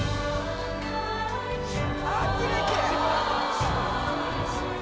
あぁきれいきれい！